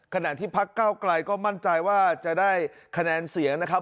ขณะที่พักเก้าไกลก็มั่นใจว่าจะได้คะแนนเสียงนะครับ